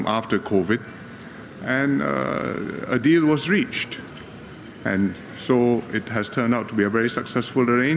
saya tidak melihatnya sebagai tidak berhubungan